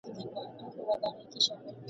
نه نیژدې او نه هم لیري بله سره غوټۍ ښکاریږي !.